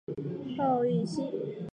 号玉溪。